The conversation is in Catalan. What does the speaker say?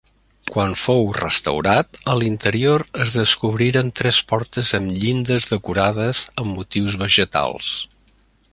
Quan fou restaurat, a l'interior es descobriren tres portes amb llindes decorades amb motius vegetals.